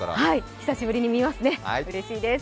久しぶりに見ますねうれしいです。